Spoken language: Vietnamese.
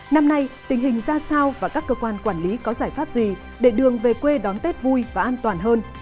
năm nay tình hình ra sao và các cơ quan quản lý có giải pháp gì để đường về quê đón tết vui và an toàn hơn